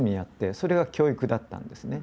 それが教育だったんですね。